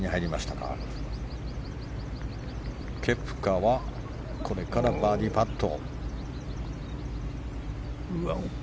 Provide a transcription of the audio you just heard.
ケプカはこれからバーディーパット。